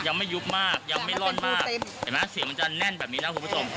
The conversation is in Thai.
ยังไม่ยุบมากยังไม่ร่อนมากเห็นไหมเสียงมันจะแน่นแบบนี้นะคุณผู้ชม